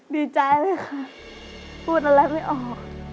ดีใจเลยค่ะพูดอะไรไม่ออก